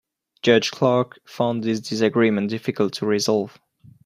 Judge Clark found this disagreement difficult to resolve.